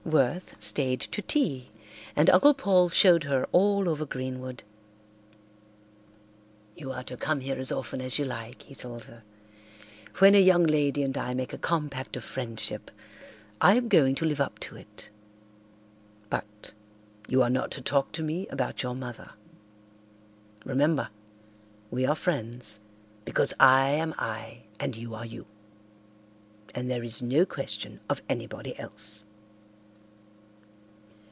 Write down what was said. Worth stayed to tea, and Uncle Paul showed her all over Greenwood. "You are to come here as often as you like," he told her. "When a young lady and I make a compact of friendship I am going to live up to it. But you are not to talk to me about your mother. Remember, we are friends because I am I and you are you, and there is no question of anybody else."